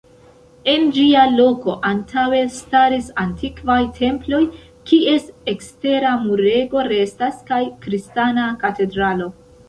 En ĝia loko antaŭe staris antikvaj temploj, kies ekstera murego restas, kaj kristana katedralo.